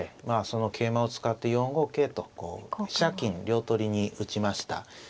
まあその桂馬を使って４五桂と飛車金両取りに打ちました。